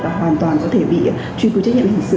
và hoàn toàn có thể bị truy cư trách nhiệm hình sự